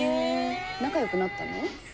仲よくなったの？